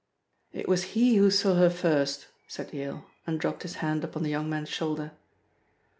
"It was he who saw her first," said Yale, and dropped his hand upon the young man's shoulder.